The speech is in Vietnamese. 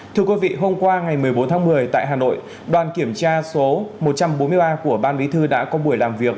thưa quý vị hôm qua ngày một mươi bốn tháng một mươi tại hà nội đoàn kiểm tra số một trăm bốn mươi ba của ban bí thư đã có buổi làm việc